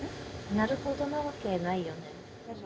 なるほどなわけないよね。